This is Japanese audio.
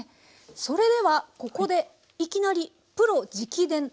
それではここでいきなりプロ直伝！